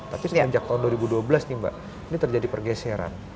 tapi semenjak tahun dua ribu dua belas nih mbak ini terjadi pergeseran